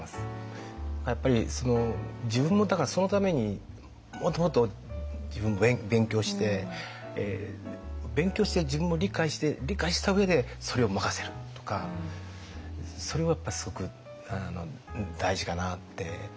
やっぱり自分もだからそのためにもっともっと自分も勉強して勉強してる自分も理解して理解した上でそれを任せるとかそれはやっぱりすごく大事かなって。